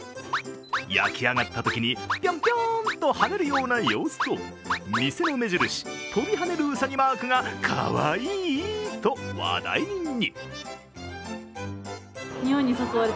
焼き上がったときにぴょんぴょーんと跳ねるような様子と店の目印、跳びはねるうさぎマークがかわいいと話題に。